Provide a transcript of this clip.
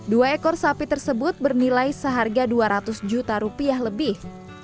dua ekor sapi tersebut bernilai seharga dua ratus juta rupiah lebih